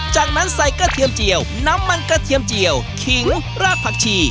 จากนั้นใส่กระเทียมเจียวน้ำมันกระเทียมเจียวขิงรากผักชี